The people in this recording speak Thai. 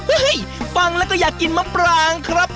ฟังแล้วก็อยากกินมะปรางครับ